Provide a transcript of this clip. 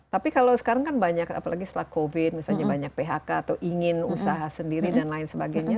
tapi kalau sekarang kan banyak apalagi setelah covid misalnya banyak phk atau ingin usaha sendiri dan lain sebagainya